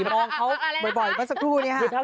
มองเขาบ่อยมาสักครู่นี่ค่ะ